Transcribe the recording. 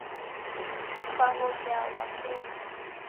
Ukaw'ongea wadakema.